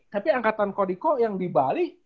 tapi angkatan kodiko yang di bali